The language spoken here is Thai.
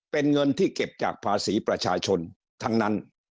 เป็นเงินที่เก็บจากภาษีประชาชนทั้งนั้น